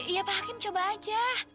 iya pak hakim coba aja